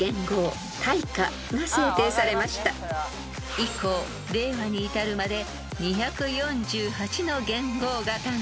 ［以降令和に至るまで２４８の元号が誕生しました］